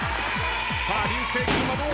さあ流星君はどうか？